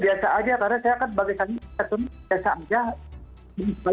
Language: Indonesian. biasa aja karena saya kan bagi kami biasa aja